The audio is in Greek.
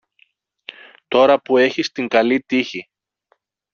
τώρα που έχεις την καλή τύχη